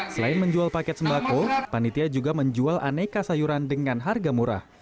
selain menjual paket sembako panitia juga menjual aneka sayuran dengan harga murah